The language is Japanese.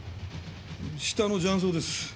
下の雀荘です。